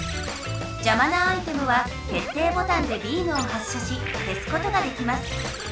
じゃまなアイテムは決定ボタンでビームを発射しけすことができます。